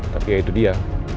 tapi ya itu dia